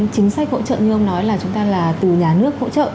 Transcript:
chính sách hỗ trợ như ông nói là chúng ta là từ nhà nước hỗ trợ